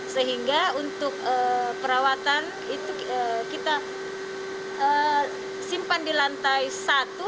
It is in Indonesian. sehingga untuk perawatan itu kita simpan di lantai satu